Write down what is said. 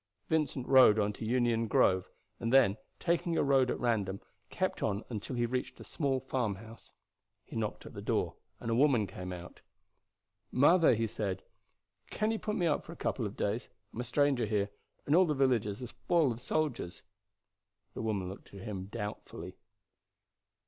Vincent rode on to Union Grove, and then taking a road at random kept on till he reached a small farmhouse. He knocked at the door, and a woman came out. "Mother," he said, "can you put me up for a couple of days? I am a stranger here, and all the villages are full of soldiers." The woman looked at him doubtfully.